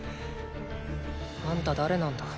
あんた誰なんだ。